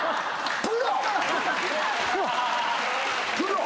プロ？